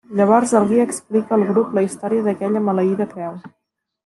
Llavors el guia explica al grup la història d'aquella maleïda creu.